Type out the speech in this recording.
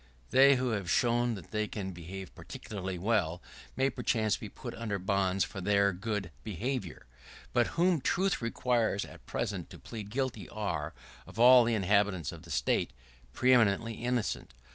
They who have shown that they can behave particularly well may perchance be put under bonds for their good behavior. They whom truth requires at present to plead guilty are, of all the inhabitants of the State, preeminently innocent.